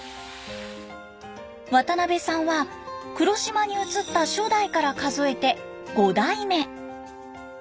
渡邊さんは黒島に移った初代から数えて五代目。